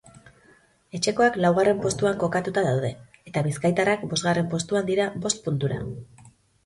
Etxekoak laugarren postuan kokatuta daude eta bizkaitarrak bosgarren postuan dira bost puntura.